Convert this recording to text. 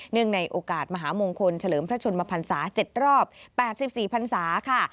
เนื่องในโอกาสมหามงคลเฉลิมพระชนมาพันศา๗รอบ๘๔พันศา